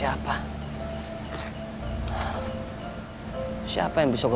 dengan pengurusan makam whoyo